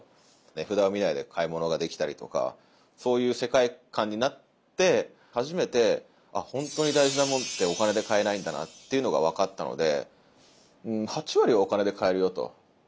値札を見ないで買い物ができたりとかそういう世界観になって初めて本当に大事なものってお金で買えないんだなっていうのが分かったので。